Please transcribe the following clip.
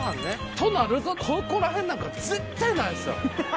となるとここら辺なんか絶対ないですよ。